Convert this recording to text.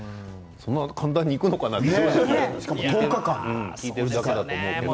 そんなに簡単にいくのかなと思いますね。